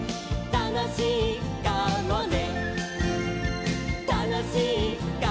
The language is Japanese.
「たのしいかもね」